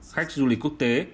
khách du lịch quốc tế